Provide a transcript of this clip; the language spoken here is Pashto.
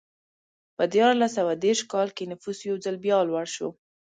په دیارلس سوه دېرش کال کې نفوس یو ځل بیا لوړ شو.